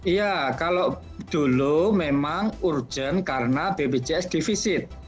iya kalau dulu memang urgent karena bpjs divisit